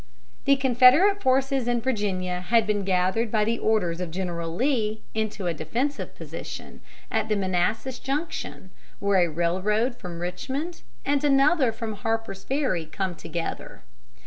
The Confederate forces in Virginia had been gathered by the orders of General Lee into a defensive position at Manassas Junction, where a railroad from Richmond and another from Harper's Ferry come together.